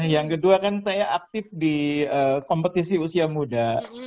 yang kedua kan saya aktif di kompetisi usia muda